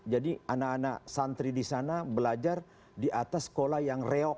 jadi anak anak santri di sana belajar di atas sekolah yang real